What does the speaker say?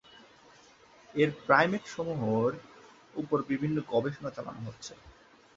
এর প্রাইমেট সমূহের ওপর বিভিন্ন গবেষণা চালানো হচ্ছে।